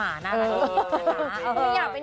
อันนี้แหลม